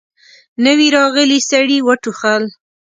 نوي راغلي سړي وټوخل.